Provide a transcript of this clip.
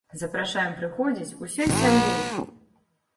Запрашаем прыходзіць усёй сям'ёй!